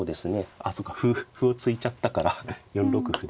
あそうか歩を突いちゃったから４六歩で逆に。